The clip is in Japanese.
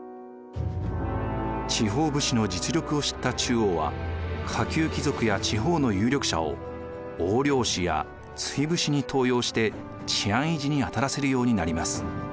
地方武士の実力を知った中央は下級貴族や地方の有力者を押領使や追捕使に登用して治安維持に当たらせるようになります。